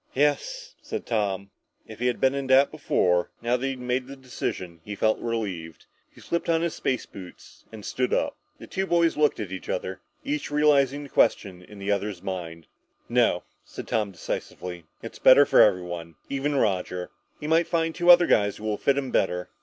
"Yes," said Tom. If he had been in doubt before, now that he had made the decision, he felt relieved. He slipped on his space boots and stood up. The two boys looked at each other, each realizing the question in the other's mind. "No!" said Tom decisively. "It's better for everyone. Even Roger. He might find two other guys that will fit him better."